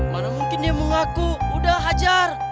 mana mungkin dia mau ngaku udah hajar